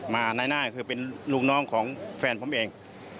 นายหน้าก็คือเป็นลูกน้องของแฟนผมเอง